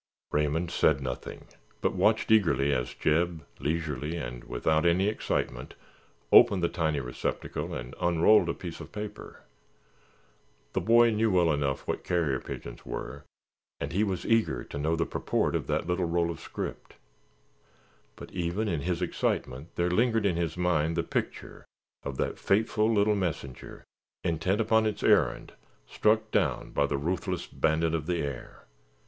Raymond said nothing, but watched eagerly as Jeb, leisurely and without any excitement, opened the tiny receptacle and unrolled a piece of paper. The boy knew well enough what carrier pigeons were and he was eager to know the purport of that little roll of script. But even in his excitement there lingered in his mind the picture of that faithful little messenger, intent upon its errand, struck down by the ruthless bandit of the air.